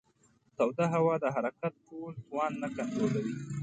توده هوا د حرکت ټول توان نه کنټرولوي.